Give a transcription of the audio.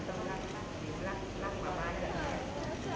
สวัสดีครับสวัสดีครับ